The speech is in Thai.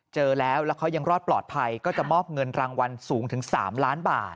เจอแล้วแล้วเขายังรอดปลอดภัยก็จะมอบเงินรางวัลสูงถึง๓ล้านบาท